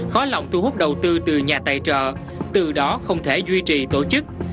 khó lòng thu hút đầu tư từ nhà tài trợ từ đó không thể duy trì tổ chức